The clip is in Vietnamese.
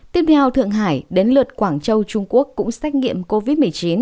tiếp theo thượng hải đến lượt quảng châu trung quốc cũng xét nghiệm covid một mươi chín